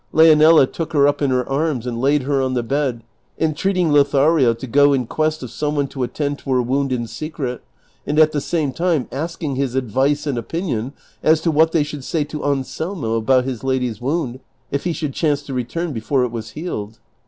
Leonela took her up in her arms and laid her on the bed, entreating Lothario to go in quest of some one to attend to her wound in secret, and at the same time asking his advice and opinion as to what they should sa}'^ to Anselmo about his lady's wound if he should chance to retui n before it was healed.